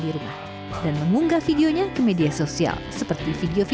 apakah mungkin art